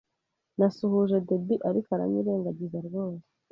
Nasuhuje Debby ariko aranyirengagiza rwose.